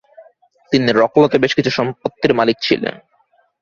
তিনি রক্লোতে বেশ কিছু সম্পত্তির মালিক ছিলেন।